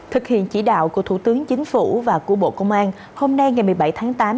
thực hiện chỉ đạo của thủ tướng chính phủ và của bộ công an hôm nay ngày một mươi bảy tháng tám